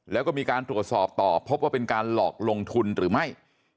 แล้วก็มีการตรวจสอบต่อพบว่าเป็นการหลอกลงทุนหรือไม่